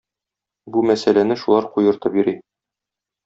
бу мәсьәләне шулар куертып йөри.